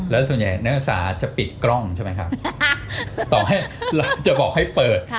แล้วส่วนใหญ่นักศึกษาจะปิดกล้องใช่ไหมครับต่อให้ร้านจะบอกให้เปิด